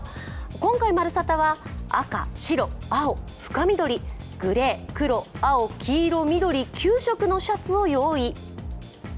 今回「まるサタ」は赤、白、青、深緑、グレー、黒、青、黄色、緑、９色のシャツを用意。